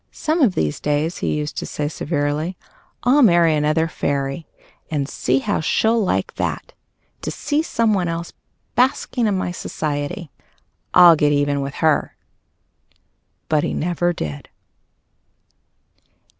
"Some of these days," he used to say, severely, "I'll marry another fairy, and see how she'll like that to see someone else basking in my society! I'll get even with her!" But he never did.